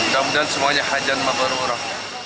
semoga semuanya hajan dan berurah